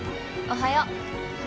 おはよう。